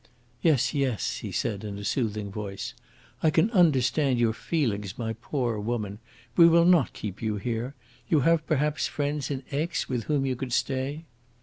"Yes, yes," he said, in a soothing voice. "I can understand your feelings, my poor woman. We will not keep you here. You have, perhaps, friends in Aix with whom you could stay?"